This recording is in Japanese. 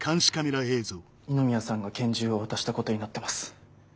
二宮さんが拳銃を渡したことになってます。